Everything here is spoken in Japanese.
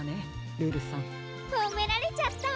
ルルさん。ほめられちゃった！